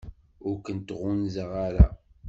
Ur ken-ɣunzaɣ ara.